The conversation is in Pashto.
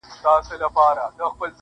• له جهان سره به سیال سيقاسم یاره,